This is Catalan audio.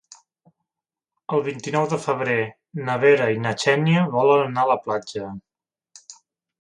El vint-i-nou de febrer na Vera i na Xènia volen anar a la platja.